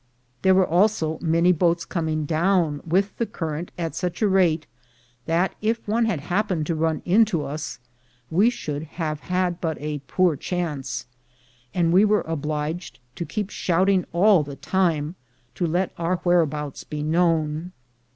There were also many boats coming down with the current at such a rate, that if one had happened to run into us, we should have had but a poor chance, and we were obliged to keep shouting all the time to let our whereabouts be known.